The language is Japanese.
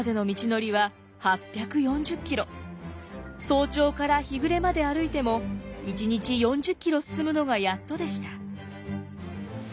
早朝から日暮れまで歩いても１日４０キロ進むのがやっとでした。